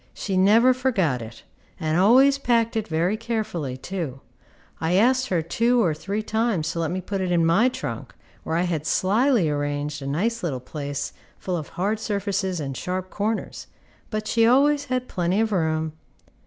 She never forgot it, and always packed it very carefully, too. I asked her two or three times to let me put it in my trunk, where I had slyly arranged a nice little place full of hard surfaces and sharp corners, but she always had plenty of room.